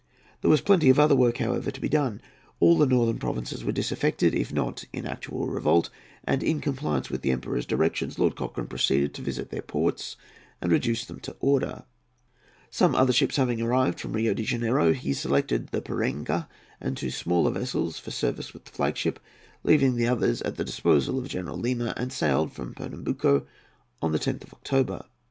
There was plenty of other work, however, to be done. All the northern provinces were disaffected, if not in actual revolt, and, in compliance with the Emperor's directions, Lord Cochrane proceeded to visit their ports and reduce them to order. Some other ships having arrived from Rio de Janeiro, he selected the Piranga and two smaller vessels for service with the flag ship, leaving the others at the disposal of General Lima, and sailed from Pernambuco on the 10th of October.